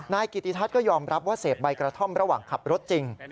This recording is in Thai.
กิติทัศน์ก็ยอมรับว่าเสพใบกระท่อมระหว่างขับรถจริง